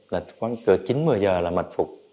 là khoảng cửa chín một mươi giờ là mật phục